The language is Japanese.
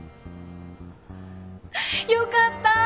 よかった！